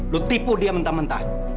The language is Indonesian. lu tipu dia mentah mentah